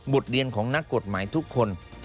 เรียนของนักกฎหมายทุกคน